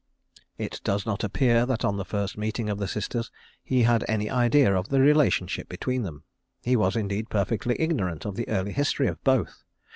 It does not appear that on the first meeting of the sisters he had any idea of the relationship between them. He was, indeed, perfectly ignorant of the early history of both.